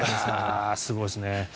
すごいですね。